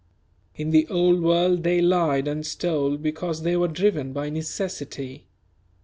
In the Old World they lied and stole because they were driven by necessity.